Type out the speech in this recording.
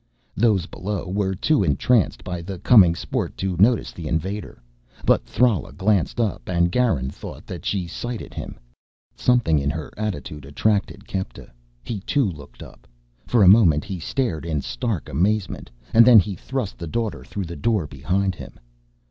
Those below were too entranced by the coming sport to notice the invader. But Thrala glanced up and Garin thought that she sighted him. Something in her attitude attracted Kepta, he too looked up. For a moment he stared in stark amazement, and then he thrust the Daughter through the door behind him.